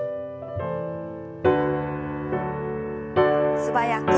素早く。